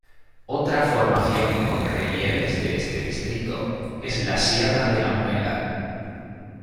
Otra formación con relieves de este distrito es la Sierra de la Muela.